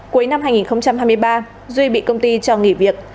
cuối năm hai nghìn hai mươi ba duy bị công ty cho nghỉ việc